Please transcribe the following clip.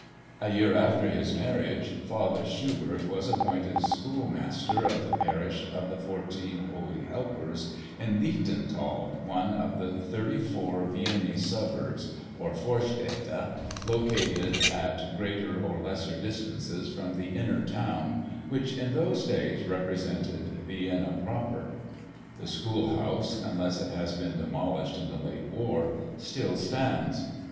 A year after his marriage father Schubert was appointed schoolmaster of the parish of the Fourteen Holy Helpers, in Lichtental, one of the thirty four Viennese suburbs (or Vorstädte), located at greater or lesser distances from the "Inner Town," which in those days represented Vienna proper. The schoolhouse (unless it has been demolished in the late war) still stands.